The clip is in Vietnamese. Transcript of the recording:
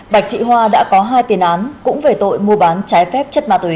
bạch thị hoa đã có hai tiền án cũng về tội mua bán trái phép chất ma túy